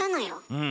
うん。